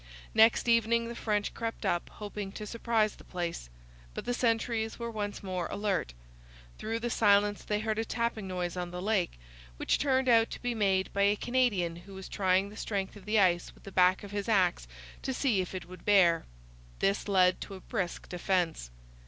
Next evening the French crept up, hoping to surprise the place. But the sentries were once more alert. Through the silence they heard a tapping noise on the lake, which turned out to be made by a Canadian who was trying the strength of the ice with the back of his axe to see if it would bear. This led to a brisk defence.